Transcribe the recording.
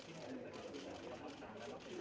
สวัสดีครับ